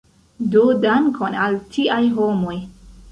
Do, dankon al tiaj homoj!